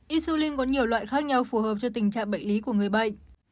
isulin có nhiều loại khác nhau phù hợp cho tình trạng bệnh lý của người bệnh